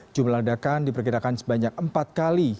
jumlah ledakan diperkirakan sebanyak empat kali